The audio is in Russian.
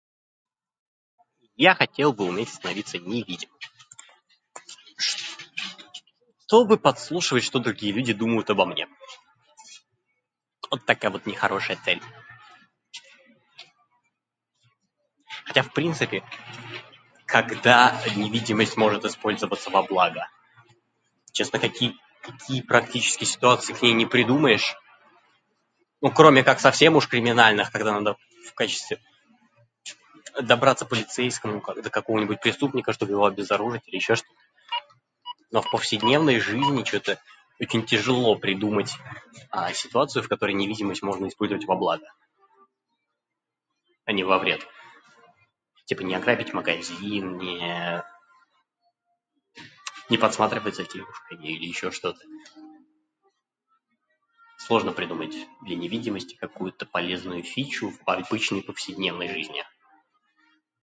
Я хотел бы уметь становиться невидимым, чтобы подслушивать, что другие люди думают обо мне. Вот такая вот нехорошая цель. Хотя в принципе, когда невидимость может использоваться во благо? Честно, какие какие практические ситуации к ней не придумаешь, ну, кроме как совсем уж криминальных, когда надо в качестве добраться полицейскому а до какого-нибудь преступника, чтоб его обезоружить или ещё что-нибудь. Но в повседневной жизни чё-то очень тяжело придумать, а, ситуацию, в которой невидимость можно использовать во благо, а не во вред. Типо не ограбить магазин, не не подсматривать за девушкой или ещё что-то. Сложно придумать для невидимости какую-то полезную фичу в обычной повседневной жизни.